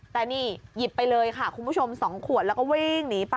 แต่นี่หยิบไปเลยค่ะคุณผู้ชม๒ขวดแล้วก็วิ่งหนีไป